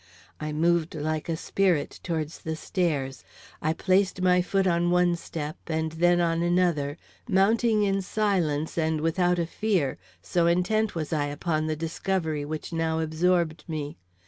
I moved like a spirit towards the stairs. I placed my foot on one step, and then on another, mounting in silence and without a fear, so intent was I upon the discovery which now absorbed me.